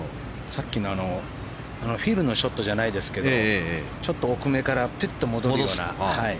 さっきのフィルのショットじゃないですけどちょっと奥めからピュッと戻るような。